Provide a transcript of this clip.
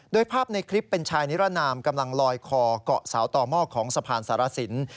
โดยภาพในคลิปเป็นชายนิรนามกำลังลอยคอเกาะสาวต่อหม้อของสะพานสารสิน